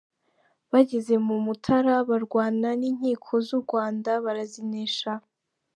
Bageze mu Mutara barwana n’inkiko z’u Rwanda barazinesha.